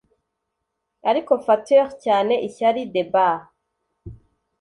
ariko fateur cyane ishyari debars